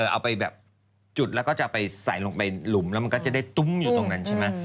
เอาไปแบบจุดแล้วก็จะไปใส่ลงไปหลุมแล้วมันก็จะได้ตุ้มอยู่ตรงนั้นใช่ไหม